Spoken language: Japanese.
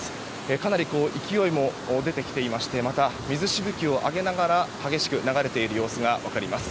かなり勢いも出てきていましてまた水しぶきを上げながら激しく流れている様子が分かります。